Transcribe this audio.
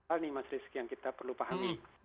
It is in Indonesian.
ini mas rizky yang kita perlu pahami